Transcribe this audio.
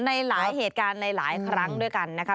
ในหลายเหตุการณ์ในหลายครั้งด้วยกันนะคะ